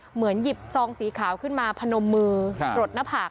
เหมือนหยิบซองสีขาวขึ้นมาพนมมือกรดหน้าผาก